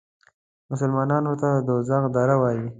مسلمانان ورته د دوزخ دره وایي.